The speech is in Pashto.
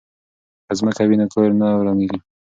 که ځمکه وي نو کور نه ورانیږي.